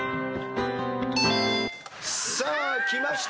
さあきました